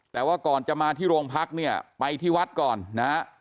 แต่ว่าก่อนจะมาที่โรงพักเนี่ยไปที่วัดก่อนนะฮะ